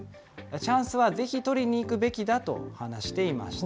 チャンスはぜひ取りに行くべきだと話していました。